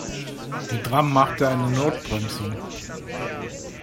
Die Tram machte eine Notbremsung.